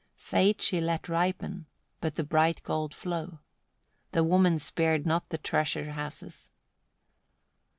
Fate she let ripen, but the bright gold flow. The woman spared not the treasure houses.